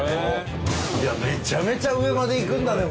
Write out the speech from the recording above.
めちゃめちゃ上まで行くんだね